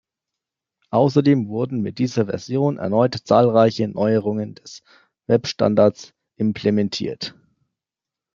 Außerdem wurden mit dieser Version erneut zahlreiche Neuerungen des Webstandards implementiert.